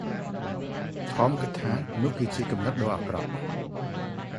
ថម គិតថា នោះគឺជាគំនិតដ៏អាក្រក់ ។